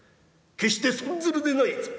決して損ずるでないぞ」。